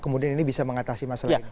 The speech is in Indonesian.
atau kemudian ini bisa mengatasi masalah ini